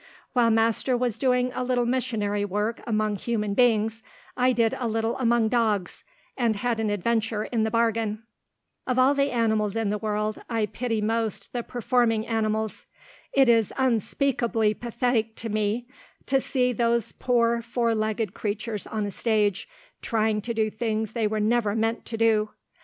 While master was doing a little missionary work among human beings, I did a little among dogs, and had an adventure in the bargain. Of all animals in the world, I pity most the performing animals. It is unspeakably pathetic to me to see those poor four legged creatures on a stage, trying to do things they were never meant to do.